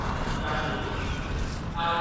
رایې کړل څلور ښکلي زامن لکه لعلونه ..